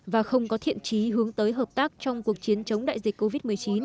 và không có thiện trí hướng tới hợp tác trong cuộc chiến chống đại dịch covid một mươi chín